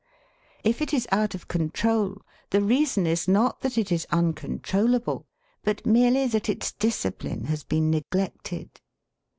If it is out of control the reason is not that it is uncontrollable, but merely that its discipline has been neglected.